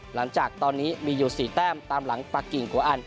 หลังจากตอนนี้มีอยู่๔แต้มตามหลังปากกิ่งโกอัน